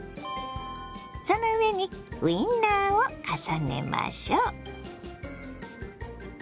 その上にウインナーを重ねましょ。